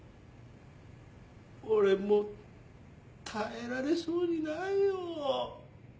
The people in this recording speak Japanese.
俺もう耐えられそうにないよ